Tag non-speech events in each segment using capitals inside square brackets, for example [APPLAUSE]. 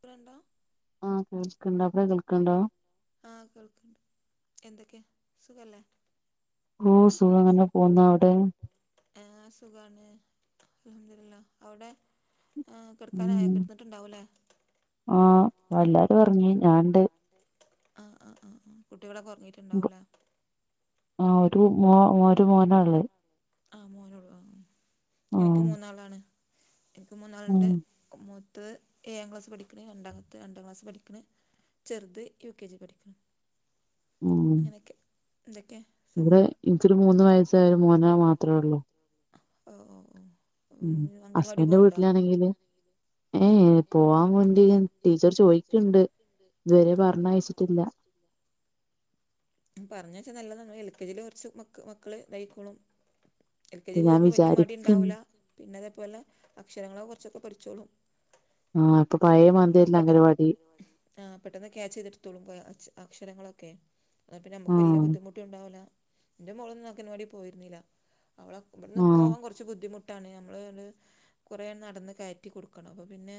ക്ക്ണെണ്ടൊ ആഹ് കേൾക്കെണ്ട് അവിടെ കേൾക്കെണ്ടോ ആഹ് കേൾക്കണ്ട് എന്തൊക്കെ സുഖല്ലേ ഓഹ് സുഖം അങ്ങനെ പോന്നു അവിടെയോ ആഹ് സുഖാണ് അൽഹംദുലില്ല അവിടെ ആഹ് കിടക്കാറായൊ ഉം കിടന്നിട്ടുണ്ടാവല്ലേ ആഹ് എല്ലാരും ഒറങ്ങി ഞാണ്ട് ആ ആ ആ ആ കുട്ടികളൊക്കെ ഉറങ്ങിയിട്ടുണ്ടാവൂലേ. ആ ഒരു മോ ഒരു മോനൊള്ളൂ. ആ മോനോള്ളോ ആ. എനിക്ക് ആഹ് മൂന്നാളാണ്, എനിക്ക് ഉം മൂന്നാളണ്ട്. മൂത്തത്ത് ഏഴാം ക്ലാസ് പഠിക്കണ്. രണ്ടാമത്തെ രണ്ടാം ക്ലാസ് പഠിക്കണ്. ചെറുത് യു കെ ജി പഠിക്കണ്. ഉം അങ്ങനെയൊക്കെ. എന്തൊക്കെയാ, ഇവിടെ എനിക്കൊരു മൂന്ന് വയസ്സായ ഒരു മോനാ മാത്രേ ഉള്ളൂ. അപ്പൊ ഒ ഓ. ഉം ഓ അംഗൻവാടി ഹസ്ബൻന്റെ പോവ്ണ്ടോ വീട്ടിലാണെങ്കില്, ഏഹ് ഏ പോവാൻ വേണ്ടി ടീച്ചറ് ചോയിക്കെണ്ട് ഇതുവരെ പറഞ്ഞ അയച്ചിട്ടില്ല. പറഞ്ഞെച്ചാൽ നല്ലതാണ്. എൽ കെ ജെ കുറച്ച് മ മക്കൾ തയ്ക്കോളും. എൽ കെ ഇത് ജിക്ക് ഞാൻ പോകുമ്പോൾ വലിയ മടി വിചാരിക്ക്ണ്ട് ഉണ്ടാവുല്ല. പിന്നെ അതേപോലെ അക്ഷരങ്ങള കുറച്ചൊക്കെ പഠിച്ചോളും. ആഹ അപ്പൊ പഴയ മതില്ല അങ്കനവാടി. ആ പെട്ടെന്ന് ക്യാച്ച് ചെയ്തെടുത്തോളും പ അഷ് അക്ഷരങ്ങളൊക്കെ. അത പിന്നെ നമുക്ക് വല്യ ആഹ് ബുദ്ധിമുട്ട് ണ്ടാവുല്ല. എന്റെ മോളൊന്നും അങ്കനവാടി പോയിരുന്നില്ല. അവള ഇവിടുന്ന് ആഹ് പോവാൻ കുറ ച്ച് ബുദ്ധിമുട്ടാണ് നമ്മള്ത് കുറെ നടന്ന് കയറ്റി കൊടുക്കണം. അപ്പൊ പിന്നെ.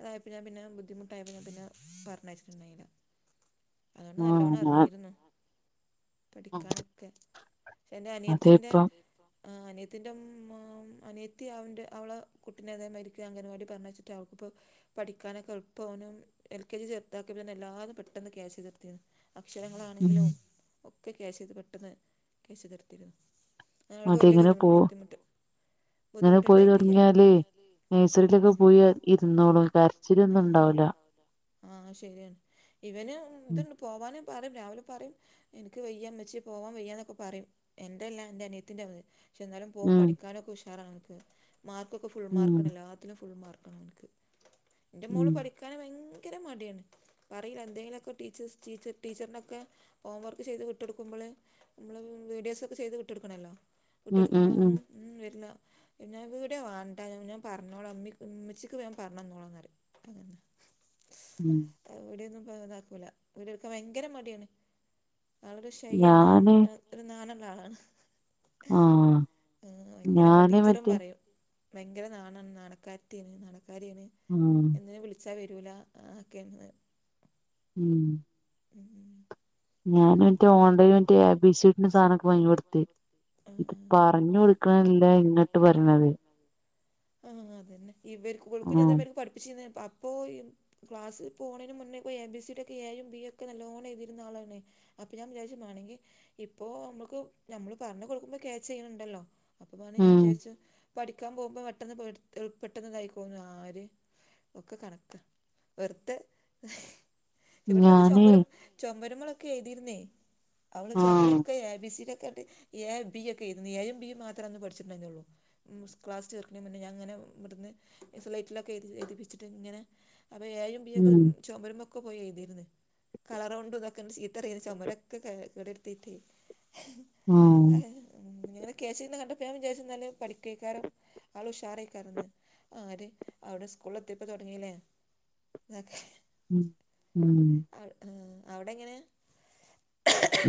അതായപ്പോ ഞൻ പിന്നെ ബുദ്ധിമുട്ടായപ്പോ ഞാൻ പിന്ന പറഞ്ഞയച്ചട്ടുണ്ടായില്ല. അതുകൊണ്ട് ആഹ് നല്ലോണം ഞാൻ അറിഞ്ഞിരുന്നു പഠിക്കാനൊക്കെ. എന്റെ അതെ അനിയത്തിന്റെ, ഇപ്പം ആ അനയത്തിന്റെ മ് മ അനിയത്തി അവന്റെ അവളെ കുട്ടിന അതായ മരിക്ക അംഗൻവാടി പറഞ്ഞച്ച ട്ട അവക്ക് ഇപ്പ, പഠിക്കാനൊക്കെ എളുപ്പോനും, എൽ കെ ജി ചേറുതാക്കി എല്ലാരും പെട്ടെന്ന് ക്യാച് ചെതിർ [UNINTELLIGIBLE] ഉം അക്ഷരങ്ങളാണെങ്കിലും ഒക്കെ ക്യാച്ച് ചെയ്ത് പെട്ടെന്ന് [UNINTELLIGIBLE] തീർത്തിരുന്നു. ആ അവക്ക് വലിയ അതെങ്ങനെ ബുദ്ധി പോ ബുദ്ധിമുട്ട്. ഇങ്ങനെ പോയി ബുദ്ധിമുട്ടുണ്ടായിട്ടില്ല തുടങ്ങിയാലെ, നേഴ്സറിയിലൊക്കെ പോയി ഇരുന്നോളൂ. കരച്ചിലൊന്നും ഉണ്ടാവില്ല. ആഹ ശരിയാണ്. ഇവന് ഉം ഇതുണ്ട് പോവാനും പറയും രാവിലെ പറയും. എനിക്ക് വയ്യാ ഉമ്മച്ചി പോവാൻ വയ്യാന്നൊക്കെ പറയും. എന്റെല്ല എന്റെ അനിയത്തിന്റെത്. പക്ഷെ എന്താലും പോകും, ഉം പഠിക്കാനൊക്കെ ഉഷാറാണ് അനക്ക്. മാർക്കൊക്കെ ഫുൾ മാർക്കാണ് ഉം എല്ലാത്തിലും ഫുൾ മാർക്കാണ് അനക്ക്. എന്റെ മോള് പഠിക്കാന് ഭയങ്കര മടിയാണ്. പറയില്ല, എന്തെങ്കിലുമൊക്കെ ടീച്ചേഴ്സ് ടീച്ച ടീച്ചറിനൊക്കെ ഹോം വർക്ക് ചെയ്ത് വിട്ടെടുക്കുമ്പോള്, നമ്മള് വീഡിയോസ് ഒക്കെ ചെയ്ത് വിട്ടെടുക്കണല്ലോ. ഉം ഉം ഉം കുട്ടെടുക്കുമ്പോളൊന്നും വരില്ല. ഞൻ ഇവിടെയാ വാണ്ടെ ഞൻ പറഞ്ഞോള ഉമ്മി ഉമ്മിച്ചിക്ക് വേ പറന്നൊളന്നറിയും. ഉം. ഉം. ഇവിടെയൊന്നും പ ഇതാക്കൂല. വീടെ എടുക്കാൻ ഭയങ്കര മടിയാണ്. ആള് ഒരു ഷൈയാണ്, നൻ ഞാന് ഒരു നാണല്ല ആളാണ്. ആഹ് ആ ഭയങ്കര അവളെ ഞാന് ടീച്ചറും മറ്റേ പറയും. ഭയങ്കര നാണാണ്. നാണകാരീതിയാണ്, നാണക്കാരിയാണ്. ഉം. അതിനെ വിളിച്ചാൽ വരൂല ആക്കെയന്ന്. ഉം. ഉം ഉം. ഞാന ൺട്ട് ഓണ്ടയും മറ്റ ഏ ബി സീ ടി ന്റെ സാധനൊക്കെ മാങ്ങി കൊടുത്തി. ആ ഇത് പറഞ്ഞു കൊടുക്കാണല്ല ഇങ്ങട്ട് പറഞ്ഞത്. ആഹ് ഹ അതന്നെ. ഇവര് ക് ഇവൾക്ക് ഇതേമാത്തിരിക്ക് പഠിപ്പിച്ചിന്നെ പ പോയും ക്ലാസ് പോണന് മുന്നേ എ ബി സിയുടെ ഒക്കെ എയും ബിയും ഒക്കെ നല്ലോണം എഴുതിരുന്ന ആളാണെ. അപ്പൊ ഞാൻ വിചാരിച്ച് മേണങ്കി, ഇപ്പൊ നമ്മുക്ക് നമ്മള് പറഞ് കൊടുക്കുമ്പോ ക്യാച്ച് ചെയ്യണണ്ടല്ലോ. അപ്പ പ ഞാൻ ഉം വിചാരിച്ചു, പഠിക്കാൻ പോകുമ്പോ പെട്ടെന്ന് പെട് പെട്ടെന്ന്തായിക്കോളുന്നു ആര്. ഒക്കെ കണക്ക വെറുതെ. ഇവിടന്നൊക്കെ ഞാനേ ചൊമരം ചൊമ്പരമളൊക്കെ എഴുതിരുന്നേ. അവള് ആഹ് ചുമരൊക്കെ എ ബി സി ടി ക്കെ ഒറ്റ എ ബി ഒക്കെ എയ്തും. A B മാത്രേന്ന് പഠിച്ചിട്ടുണ്ടായിള്ളൂ. ഉം സ് ക്ലാസ് ചേർക്ക്ണേൻ മുന്നേ ഞാൻ ഇങ്ങനെ ഇവ്ട്ന്ന് സ്ലൈറ്റിലൊക്കെ എയ്തിച് എയ്തിപ്പിച്ചിട്ട് ഇങ്ങനെ. അപ്പൊ ഏയും ബീയൊക്കെ ഉം ചൊമര്മ്മെക്കെ പോയി എയ്‌തേര്ന്ന് കളറ് കൊണ്ട് ഇതൊക്കെങ്ങട്ട് ചീ തറിയെര് ചൊമരൊക്ക കേ കേടെര്‌ത്തീറ്റേ ആഹ് ഉംങ്ങെനെ കേച്ചിയ്ണ് കണ്ടപ്പ ഞാൻ വിചാരിച്ചു ഇന്നാല് പഠിക്കൊയ്‌ക്കാരം ആള് ഉഷാറേയ്‌ക്കാരംന്ന് ആര് അവടെ സ്കൂൾല് എത്തിയപ്പോ തൊടങ്ങീലേ [UNINTELLIGIBLE] ഉ ഉം. അഹ് ആ അവടെ എങ്ങനെ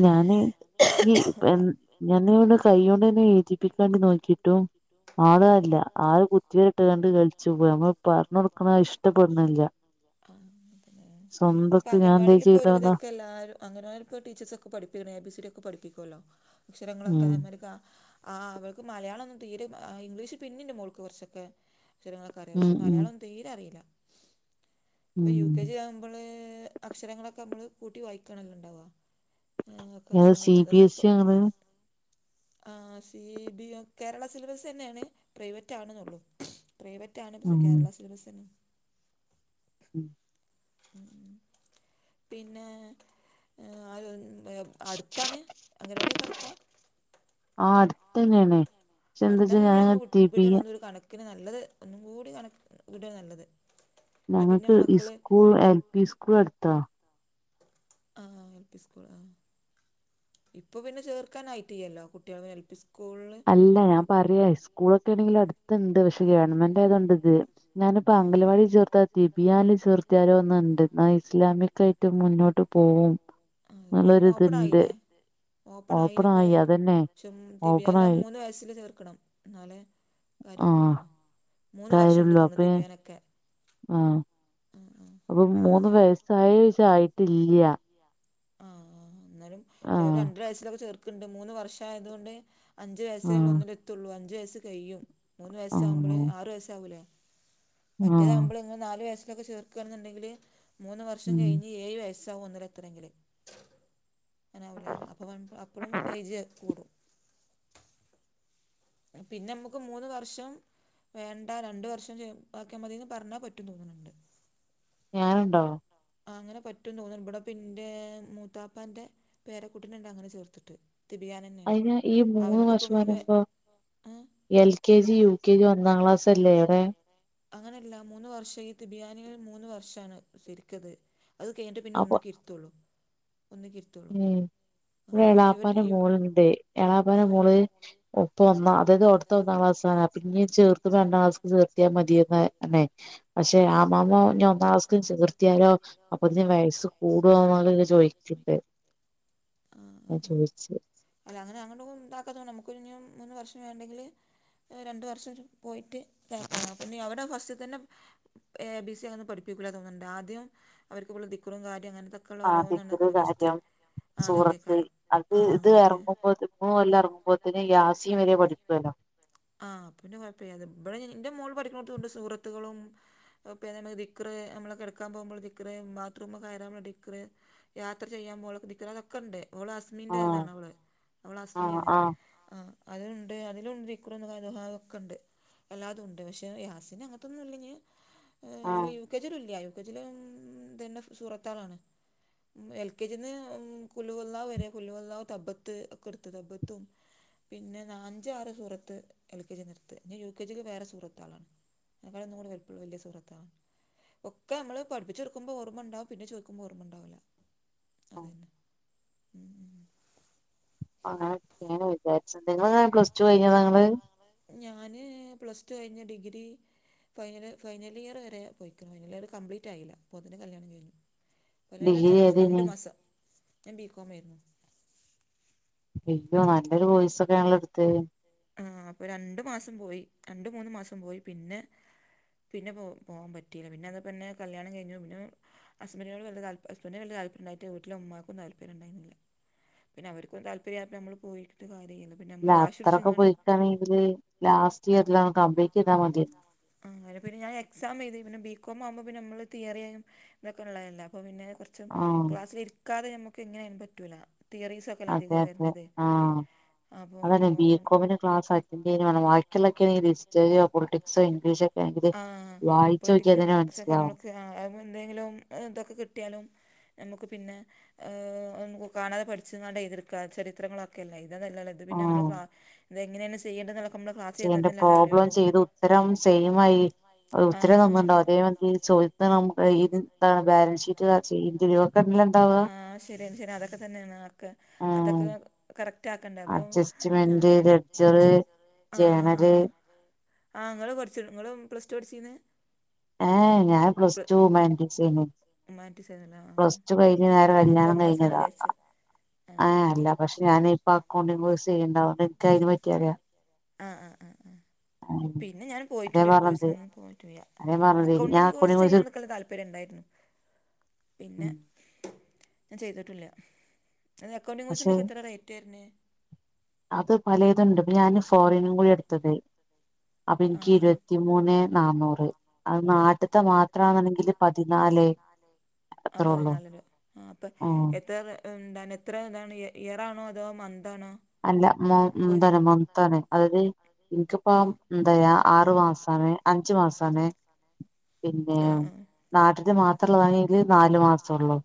ഞാന് ഈ പെൺ ഞാന് ഇവിടെ കൈയോണ്ടന്നെ ഏയ്‌തിപ്പിക്കാണ്ടി നോക്കീട്ടും ആളതല്ല ആള് കുത്തിവരി ഇട്ട്കാണ്ട് കളിച്ചും പ്പ ഞമ്മള് പറഞ്ഞൊട്ക്ക്ണത് ഇഷ്ടപ്പെട്ണില്ല്യ. ആ അതലേ ഇത്പ്പോ ഞാൻ എന്താ അംഗൻവാടീല് ഇപ്പോ ഒരു ചെയ്തോലോ വിധൊക്കെ എല്ലാരും അങനവാടിപ്പൊ ടീച്ചേഴ്സൊക്കെ പഠിപ്പിക്ക്ണ് എ ബി സി ഡി ഒക്കെ പഠിപ്പിക്കൊല്ലോ അക്ഷരങ്ങളൊക്കെ ഉം അൻമാരിക്ക ആ അവൾക്ക് മലയാളൊന്നും തീരിം ആ ഇംഗ്ലീഷ് പിന്നിന്റെ മോൾക്ക് കൊറച്ചൊക്കെ അക്ഷരങ്ങളൊക്കെ അറിയ ഉം പക്ഷെ ഉം മലയാളം തീരെ അറീല ഇപ്പൊ യു ഉം കെ ജി ആവുമ്പള് അക്ഷരങ്ങളൊക്കെ നമ്മള് കൂട്ടി വായിക്കാണല്ലോ ഇണ്ടാവ ആ അപ്പൊ ഏതാ സി അക്ഷരങ്ങളൊക്കെ ബി എസ് അതൊന്നുപ്പൊ ഇ ആങ്ങള് ആ സി ബി കേരള സിലബസ് തന്നെയാണ് പ്രൈവറ്റ് ആണ്ന്നൊള്ളു പ്രൈവറ്റ് ആണ് പക്ഷേ ഉം കേരള സിലബസന്നെ ഉം ഉം പിന്നെ ഏ ആ [UNINTELLIGIBLE] അട്ത്താണ് അംഗനവാടിയൊക്കെ അട്ത്താ ആ അടുത്തന്നെയാണ് പക്ഷെ എന്താച്ചാ അടുത്താണെ പിന്നെ ഞാൻ ഞങ്ങള് വിട് വിട് ആണ് തിബിയ ഒന്ന് ഒരു കണ ക്കിന് നല്ലത് ഒന്നും കൂടി കണ വിടാ നല്ലത് എന്നാൽ പിന്നെ ഞങ്ങക്ക് മക്കള് ഇസ്കൂൾ എൽ പി സ്കൂൾ അട്ത്താ ആഹ് എൽ പി സ്കൂൾ ആഹ് ഇപ്പൊ പിന്നെ ചേർക്കാനായിറ്റ് ഇയ്യല്ലോ കുട്ടികൾ എൽ പി സ്കൂൾല് ഇല്ല ഞാൻ പറയാ സ്കൂളൊക്കേണെങ്കിലും അട്ത്ത്ണ്ട് പക്ഷെ ഗവൺമെന്റ ആയതോണ്ട് ഇത് ഞാനിപ്പോ ഇപ്പൊ അംഗലവാടി ചേർത്താ തിബിയാന്ല് ചേർത്തിയാലോന്ന്ണ്ട് ഇന്നാ ഇസ്ലാമിക് ക്കായിട്ട് മുന്നോട്ട് പോവും ആഹ് ഇപ്പൊ ഓപ്പൺ എന്നുള്ളൊരിതുണ്ട് ആയിലേ ഓപ്പൺ ആയിലേ ഇപ്പ ആയി അത് അതന്നെ ക്ഷും നിബിയാൻ ലും ഓപ്പണായി മൂന്ന് വയസ്സില് ചേർക്കണം എന്നാലേ കാര്യള്ളൂ ആഹ് തോന്ന്ണു മൂന്ന് വർഷംണ്ട് കാര്യള്ളൂ തോണു അപ്പൊ തിബ്യാനൊക്കെ ആഹ് ആഹ് ആഹ് അപ്പൊ മൂന്ന് വയസ്സായോ ചോയ്ച്ചാ ആയിട്ടില്ല്യ ആഹ് ഇന്നാലും ചെലോര് ആഹ് രണ്ടര വയസിലൊക്കെ ചേർക്ക്ണ്ട് മൂന്ന് വർഷം ആയത്കൊണ്ട് അഞ്ച് വയസ്സിലൊള്ളൂ ആഹ് ഒന്നിലെത്തൊള്ളൂ അഞ്ച് വയസ്സ് കയ്യും മൂന്ന് വയസ്സാവുമ്പള് ആഹ് ആറ് വയസ് ആവൂലേ ആഹ് മറ്റേതാവുമ്പള് ഇങ്ങള് നാലു വയസ്സിലൊക്കെ ചേർക ക്കാണ്ന്ന്ണ്ടെങ്കില് മൂന്ന് വർഷം ഉം കയ്ഞ്ഞ് ഏയ് വയസ്സാവും ഒന്നിലെത്തണങ്കില് അങ്ങനാവൂലേ അപ്പ വൺ അപ്പളും ഏജ് കൂടും പിന്നെ അമ്മക്ക് മൂന്ന് വർഷം വേണ്ട രണ്ട് വർഷം ജ് ആക്ക്യാ മതീന്ന് പറഞ്ഞാ പറ്റും തോന്ന്ണ് ണ്ട് ഞാനുണ്ടോ ആഹ് അങ്ങനെ പറ്റുംന്ന് തോന്ന്ണ് ഇബടെപ്പ ഇൻ്റെ മൂത്താപ്പാന്റെ പേരക്കുട്ടിനെണ്ട് അങ്ങനെ ചേർത്ത്ട്ട് തിബ്‌യാന അയിന് ഈ മൂന്ന് വർഷം പറിമ്പൊ L K G U K G ഒന്നാം ക്ലാസ് അല്ലേ അവടെ അങ്ങനല്ല മൂന്ന് വർഷം ഈ തിബ് യാന് മൂന്ന് വർഷാണ് ശരിക്കത് അത് കഴിഞ്ഞിട്ട് പിന്നെ അപ്പൊ ഒന്ന്ക്കിര് ത്തൊള്ളൂ ഒന്ന്ക്കിര് ഉം ഇവടെ എളാപ്പാൻ്റെ മോള്ണ്ട് എളാപ്പാന മോള് ഓപ്പൊ ഒന്നാ അതാത് ഓട്ത്ത ഒന്നാം ക്ലാസ്സാണ് അപ്പൊ ഇഞ് ചേർത്തുമ്പൊ രണ്ടാം ക്ലാസ്ക്ക് ചേർത്ത്യ മതിയന്നേ അതെ പക്ഷെ ആ മാമോ ഇഞ്ഒന്നാ ക്ലാസ്ക്ക് ചേർത്താലോ അപ്പൊ ഇഞ് വയസ്സ് കൂടോ എ [UNINTELLIGIBLE] ചോയി ചിപ്പേ ആഹ് ആ ആ അല്ല അങ്ങനെ അങ്ങോട്ട ഇണ്ടാക്കാതൊണ്ട് നമക്ക് ഒരു ഞ് മൂന്ന് വർഷം വേണ്ടെങ്കില് രണ്ടു വർഷം പോയിട്ട് കേക്ക അപ്പ അവിടെ ഫസ്റ്റ് തന്നെ എ ബി സി അന പഠപ്പിക്കില്ല തോുന്നുണ്ട് ആദ്യം അവർക്കിള്ള ദിക്കറും കാര്യവും അങ്ങനത്തെ ഓരോന്നാണ് ആദ്യത്തത് കുണു ഫസ്റ്റ് കാര്യം ആ സൂറത്ത് അതൊക്കെകാരം അത് ഇത് ഇറങ്ങുമ്പോ മൂന്നൊല്ലാം ഇറങ്ങുമ്പോതിന് യാസീൻവരെ പഠിപ്പിക്കുവല്ലോ ആ് അപ്പപിന്നെ കുഴപ്പല്ല അത്ബടെ ന്റെ മോള് പഠിക്ക്ണോടത്തുണ്ട് സൂറത്തുകളും അപിന്നെ നമക്ക് ദിക്ക്റ് നമ്മള് കെടക്കാ പോകുമ്പോള്ള ദിക്ക്റ് ബാത്റൂമേ കയറാള്ളദിക്ക്റ് യാത്ര ചെയ്യാൻപോളോക്കെ ദിക്ർ അതൊക്കെണ്ട്ഓൾഅസ്മിന്റെ ആഹ് ഇതാണ് അവള് അവള് അസ്മി ആഹ് അണ് ആഹ് ആഹ് അതിലുണ്ട് അതിലുണ്ട് ദിക്ർ ദുആക്കെണ്ട് എല്ലാതും ഉണ്ട് പക്ഷെ യാസീനങ്ങനതൊന്നും ഇല്ലഞ് ആഹ് യു കെ ജിലും ഇല്ല യു കെ ജിലും ഇതന്റെ സുറത്ളാണ് എൽ കെ ജിന്ന് കുൽഹുവള്ളാഹ് വരെ കുലുവെള്ളാഹ് തബത്ത് ക്കെ എട്ത് തബത്തും പിന്നെ നാ അഞ്ചുആറ് സൂറത് എൽ കെ ജിന്ന്ട്ത്. ഇനി യു കെ ജീല് വേറെ സൂറത്തളാണ് അയ്നേക്കാളും ഒന്നുകൂടി വൽപ്പള്ള വല്യ സൂറ ഒക്കെ നമ്മള് പഠിപ്പിചൊടുക്കുമ്പോൾ ഓർമ്മണ്ടാവും പിന്നെ ചോയ്ക്കുമ്പോ ഓർമ്മണ്ടാവൂല്ല ആഹ് അതെന്നെ മ് അങ്ങന ഒക്കേൺ വിചാരിച്ചത് ഇങ്ങൾ എങ്ങനെ പ്ലസ് ടു കഴിഞ്ഞതാ നിങ്ങള് ഞാന് പ്ലസ് ടു കഴിഞ് ഡിഗ്രി ഫൈനൽ ഫൈനൽ ഇയർ വരെ പോയിക്ണ് ഫൈനൽ ഇയർ കപ്ലീറ്റ് ആയില്ല അപ്പോതിന് കല്യാണം കഴിഞ്ഞു ഒരെ ഡിഗ്രി ര രണ്ട് ഏതേനി മാസം ഞാൻ ബികോമേര്ന്ന് അയ്യോ നല്ലൊരു വോയ്സൊക്കേണല്ലോ എടുത്തത് ആ അപ്പൊ രണ്ടു മാസം പോയി രണ്ട് മൂന്ന് മാസം പോയി പിന്നെ പിന്നെ പോ പോവാൻ പറ്റിയില്ല പിന്നെ അത് പിന്നേ കല്യാണം കഴിഞ്ഞു പിന്നെ ഹസ്ബന്റിനോട് വല്യതാല്പര് ഹസ്ബന്റിന് തല്പര്യണ്ടായിട്ട് ട്ട് വീട്ട്ല് ഉമ്മാക്കൊന്നു താല്പര്യണ്ടായിരുന്നില്ല പിന്നെ അവർക്കും താല്പര്യയപ്പോ നമ്മള് പോയിട്ട് കാര്യലല്ലോ പിന്നെ നമ്മള് വാശിപിടി തൊക്കെപൊയിക്കാണെങ്കില് ലാസ്റ്റ് ആ ഇയറിൽ കമ്ബ്ലീറ്റ്താമതിയാർന്ന് അങ്ങനെ പിന്നെ ഞാൻ എക്സാംഎഴുധി പിന്നെ ബി കോം ആവ്മ്പൊ പിന്ന നമ്മള്തിയറിയായും തൊക്കെള്ളതല്ല അപ്പൊ പിന്നെകുറ ആഹ് ക്ലാസിലിരിക്കാതെ നമക്ക് എങ്ങനായാലും പറ്റൂല തിയറീസ്ഒക്കെ അതെ അതെ ആ അപ്പോ അതന്നെ ബികോമിന്റെ ക്ലാസ്സ് അറ്റൻണ്ട് ചെയ്യ [UNINTELLIGIBLE] ക്കിഉള്ളതോക്കേണെങ്കിൽ ഹിസ്റ്ററിയോ പൊളിറ്റിക്സോ ഇംഗ്ലീഷോക്കെണെങ്കിൽ വായിചോക്കിയാ തന്നെ മനസ്സിലാവും ആ അങ്ങനന്തെലും ഇതൊക്കെ കിട്ടിയാലും നമുക്ക് പിന്നെ ഹ് കാണാതെ പഠിച്കാണ്ട് എഴ്തിട്ക്കാ ചരിത്രങ്ങളൊക്ക ക്കല്ലേ ഇതദല്ലല്ലോ ഇത്പിന്ന നമ്മള് ആഹ് ക്ലാഇതെങ്ങനെയാണ് ചെയ്യേണ്ടതന്ന് നമ്മള് ക്ലാസ് ചെയ്യണ്ട ചെയ്തതന്നല്ലേ പ്രോബ്ലം അറിയുള്ളൂ ചെയ്ത് ഉത്തരം സെയിം ആയി ഉത്തരം ഇതില് തന്നുണ്ടാവോ അതേ മാതിരി ചോ [UNINTELLIGIBLE] ഇതില ഉണ്ടാവുക ആഹ് ശരിയാണ് ശരി അതൊക്കെതനേണ് ആർക്കാ ഉം അതൊക്കെ കറക്റ്റ് ആക്കണ്ടേ അപ്പൊ അഡ്ജസ്റ്റ്മെന്റ് ഞാന് ലെഡ്ജറ് ഉച്ചക് ആഹ് ആ ജേണല് ആ ങ്ങള് പട്ചോനിങ്ങൾ പ്ലസ്ടുആ പടിച്ചീന്ന് ഏ ഞാന് പ്ലസ് ടുമാന്റീസേർന്ന് ഹ്യുമാനിറ്റീസേന്നു പ്ലസ്ടു കഴിഞ്ഞ് നേരെ കല്യാണം കഴിഞ്ഞതാ എറണാകുളത്ത് പോയതാ ആഹ് അല്ല പക്ഷ ഞാന ഇപ്പൊ അക്കൗണ്ടിങ് കോഴ്സ് ചെയ്യുന്ന്ണ്ട് അഓണ്ട് എനിക്കയിനെ പറ്റിയറിയാ ആ് ആ ആ ആ പിന്നെ ഞാന് അതേ പോയിട്ടില്ല ഒരു പറഞ്ഞത് കോയിസിനും പിന്ന പോവാപറ്റീല അതേ പറഞ്ഞത് ഞാൻ അക്കൗണ്ടിങ് കോഴ്സ് കോഴ്സ്ചെയാന്നൊക്കെള്ള താല്പര്യം ഉണ്ടായിരുന്നു പിന്നെ ഞാൻ ചെയ്തിട്ടില്ല അത് അക്കൗണ്ടിംഗ കോഴസിനൊക്കെ എത്ര റേറ്റ് വരുന്ന് അത്പലേതുണ്ട് ഇപ്പോ ഞാന് ഫോറിനും കൂടിആ എടുത്തത് അപ്പൊ എനിക്ക് ആഹ് ആഹ് ഇരുപത്തിമൂന്നേ നാന്നൂറ് അത് നാട്ടി ത്തെ മാത്രമാണ്ന്നങ്കിൽ പതിനാല് ആഹ് അത്രേ ഉള്ളൂ പതിനാലെര ആ അപ്പം ഉം എത്രയ എന്താണ് എത്ര ഇതാണ് ഇയറാണോ അതോ മന്താണോ അല്ല മോ മും തനെ മമ്താണ് ഇനിക്പ്പോ ഇപ്പം എന്താറയ ആറു മാസാണ് അഞ്ചു മാസാണ് പിന്നെ ആഹ് ആഹ് നാട്ടിത്തെ മാത്രള്ളതാണെങ്കിൽ നാലു മാസം ഒള്ളൂ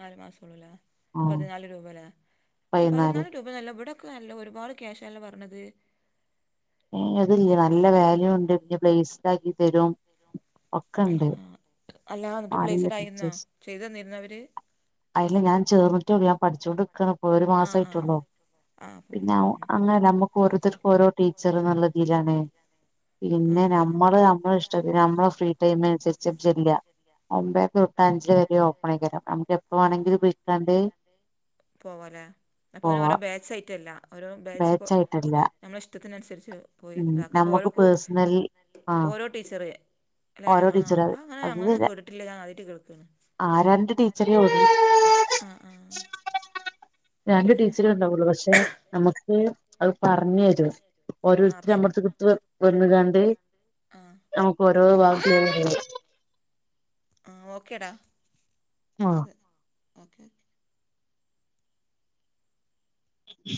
നാല് മാസം ഒള്ളൂലേ ഉം പതിനാല് രൂപ ലെ പക്ഷേ പതിനാല് രൂപ നല്ല ഇവിടെയൊക്കെ നല്ല ഒരു പാട് ക്യാഷ് ആല്ല പറഞ്ഞത്. ഏഹ് അതിയില്ല നല്ല വാല്യൂ ഉണ്ട് പിന്നെ പ്ലേസ്ഡ് ആക്കി തരും. ഒക്കണ്ട്, ആഹ് അല്ലാ എന്നിട്ട് ആരുല്ല പ്ലേസ്ഡ് ആയിരുന്നോ ടീച്ചേഴ്സ്. ചെയ്ത് തന്നിരുന്നോ അവര് അതിൽ ഞാൻ ചേർന്നിട്ടൊള്ളൂ ഞാൻ പഠിച്ചൊണ്ട് നിൽക്കാണ് ഒരു ആ മാസം ആ ആയിട്ടൊള്ളൂ ആ അപ്പൊ പിന്നെ അങ്ങനെ നമ്മുക്ക് ഓരോത്തർക്കും ഓരോ ടീച്ചർ നല്ല രീതിയിലാണ്. ആ ആ പിന്നെ നമ്മൾ നമ്മൾ ഇഷ്ടത്തിന് നമ്മളെ ഫ്രീ ടൈമിൽ അനുസരിച്ചില്ല അപ്പോ തൊട്ട് അഞ്ചിൽവരെ ഓപ്പൺ ആക്കിതരാം നമുക്ക് എപ്പോ വേണമെങ്കിലും വിളിക്കാണ്ട് പോവല്ലെ അപ്പൊ ഇങ്ങനെ പോവാ ഓരോ ബാച്ചായിട്ട് അല്ല ഓരോ ബാച്ച് നമ്മളുടെ ഇഷ്ടത്തിനുസരിച്ച് ഉം ഇതാക്കും അപ്പോൾ നമുക്ക് ഓരോക്കും പേഴ്സണൽ ആഹ് ഓരോ ടീച്ചർ അല്ലെ ഓരോ ആഹ് ടീച്ചർ അങ്ങനെ അങ്ങനൊന്നും അത് കേട്ടിട്ടില്ല ഞാൻ ആദ്യയിട്ട് കേൾക്കാണ്. ആഹ് രണ്ട് ടീച്ചറേ ഒള്ളു. ആഹ് ആഹ് രണ്ട് ടീച്ചർ ഉണ്ടാവൊള്ളു പക്ഷെ നമുക്ക് അത് പറഞ്ഞു തരും ആ ഓരോരുത്തർ പേ നമ്മളെട്ത്ത്ക് ട്ത്ത്ക്ക് വന്ന്ങ്ങാണ്ട് ആ നമുക്ക് ഓരോ [UNINTELLIGIBLE] ആഹ് ഓക്കേടാ ആഹ് ഓക്കെ ഓക്കെ [INAUDIBLE]